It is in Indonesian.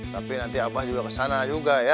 tapi nanti abah juga kesana juga ya